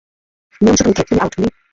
নিয়মচ্যুত নিক্ষেপ, তুমি out, Li.